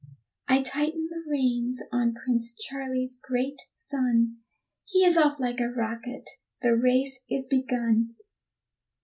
I tighten the reins on Prince Charlie's great son He is off like a rocket, the race is begun.